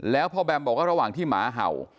แล้วพ่อแบมบอกว่าระหว่างที่หมาเห่า